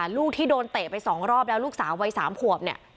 ลูกที่โดนเตะไปสองรอบแล้วลูกสาววัยสามผวบ